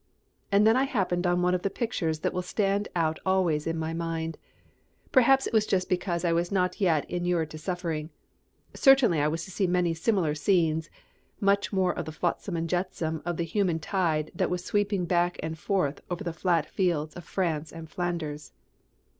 And then I happened on one of the pictures that will stand out always in my mind. Perhaps it was because I was not yet inured to suffering; certainly I was to see many similar scenes, much more of the flotsam and jetsam of the human tide that was sweeping back and forward over the flat fields of France and Flanders.